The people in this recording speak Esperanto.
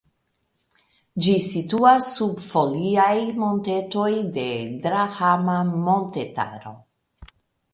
Ĝi situas sub foliaj montetoj de Drahana montetaro.